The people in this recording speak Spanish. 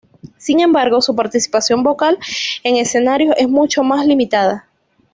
Sin embargo, su participación vocal en escenarios es mucho más limitada.